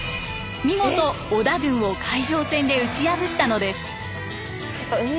見事織田軍を海上戦で打ち破ったのです。